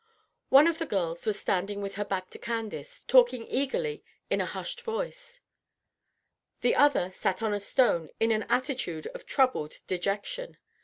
One of the girls was standing with her back to Candace, talking eagerly in a hushed voice; the other sat on a stone in an attitude of troubled dejection.